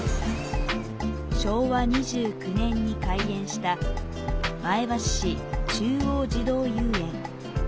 昭和２９年に開園した前橋市中央児童遊園。